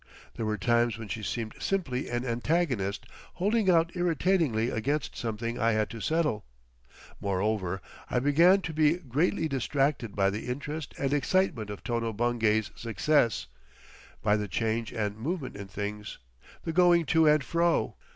There were times when she seemed simply an antagonist holding out irritatingly against something I had to settle. Moreover, I began to be greatly distracted by the interest and excitement of Tono Bungay's success, by the change and movement in things, the going to and fro.